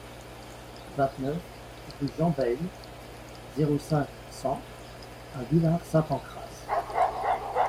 vingt-neuf rue Jean Bayle, zéro cinq, cent à Villar-Saint-Pancrace